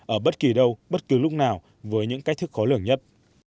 ở bất kỳ đâu bất cứ lúc nào với những cách thức khó lường nhất